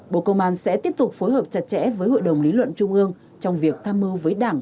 bộ công an sẽ tiếp tục phối hợp chặt chẽ với hội đồng lý luận trung ương trong việc tham mưu với đảng